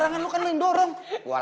anak anak gue bersamaenges